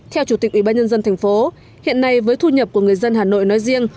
theo chủ tịch ủy ban nhân dân thành phố hiện nay với thu nhập của người dân hà nội nói riêng